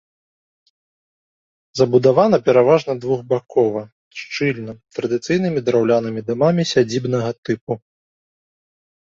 Забудавана пераважна двухбакова, шчыльна, традыцыйнымі драўлянымі дамамі сядзібнага тыпу.